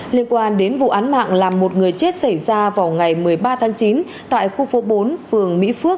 liên quan đến vụ án mạng làm một người chết xảy ra vào ngày một mươi ba tháng chín tại khu phố bốn phường mỹ phước